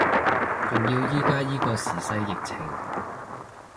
仲要依家依個時勢疫情